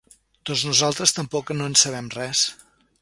Doncs nosaltres tampoc no en sabem res.